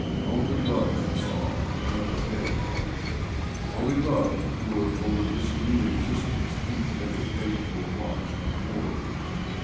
Only love, she saw, would never fail her^ only love would over this new existence keep ever faithful watch and ward.